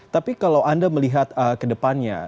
tapi kalau anda melihat kedepannya